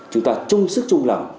chúng ta chung sức chung lòng